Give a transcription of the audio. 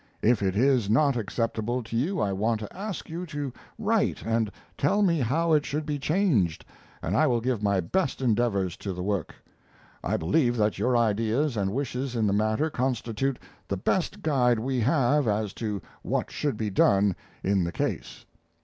If it is not acceptable to you I want to ask you to write and tell me how it should be changed and I will give my best endeavors to the work. I believe that your ideas and wishes in the matter constitute the best guide we have as to what should be done in the case.